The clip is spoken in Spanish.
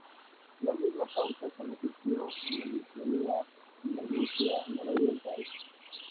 La misma pauta se repitió en Lituania y en Rusia nororiental.